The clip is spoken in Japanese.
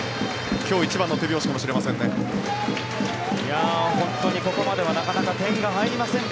今日一番の手拍子かもしれません。